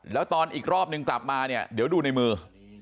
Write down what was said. แล้วตอนอีกรอบนึงกลับมาเนี่ยเดี๋ยวดูในมือ